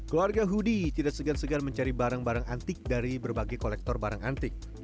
keluarga hoodie tidak segan segan mencari barang barang antik dari berbagai kolektor barang antik